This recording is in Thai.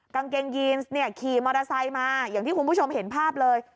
กางเกงยีนเนี่ยขี่มอเตอร์ไซค์มาอย่างที่คุณผู้ชมเห็นภาพเลย